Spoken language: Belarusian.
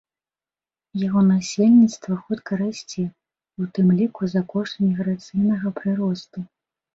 Яго насельніцтва хутка расце, у тым ліку за кошт міграцыйнага прыросту.